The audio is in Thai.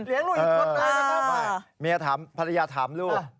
เมียถามภรรยาถามลูก